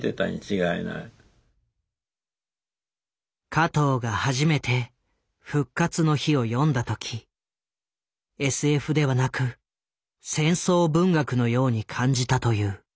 加藤が初めて「復活の日」を読んだ時ＳＦではなく戦争文学のように感じたという。